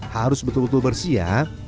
harus betul betul bersih ya